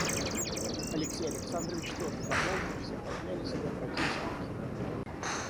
Алексей Александрович тоже замолк, и все поднялись и обратились к реке.